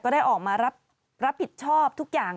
ได้ออกมารับผิดชอบทุกอย่าง